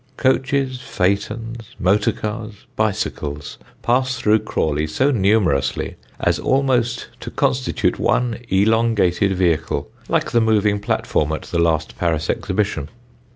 Coaches, phaetons, motor cars, bicycles, pass through Crawley so numerously as almost to constitute one elongated vehicle, like the moving platform at the last Paris Exhibition.